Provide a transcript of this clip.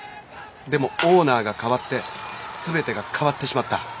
でもオーナーが代わって全てが変わってしまった。